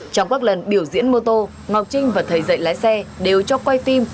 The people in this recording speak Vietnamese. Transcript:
trong các lần biểu diễn mô tô ngọc trinh và thầy dạy lái xe đều cho quay phim